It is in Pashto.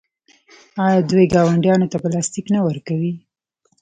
آیا دوی ګاونډیانو ته پلاستیک نه ورکوي؟